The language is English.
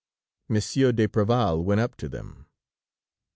Monsieur d'Apreval went up to them.